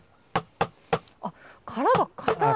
あっ殻が硬い。